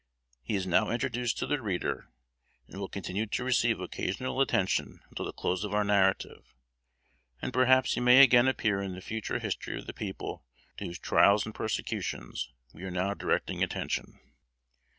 He is now introduced to the reader, and will continue to receive occasional attention until the close of our narrative, and perhaps he may again appear in the future history of the people to whose trials and persecutions we are now directing attention.